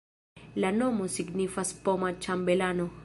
La nomo signifas poma-ĉambelano.